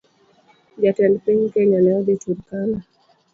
Jatend piny kenya ne odhii Turkana